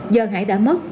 giờ hải đã mất